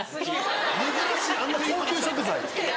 珍しいあんな高級食材。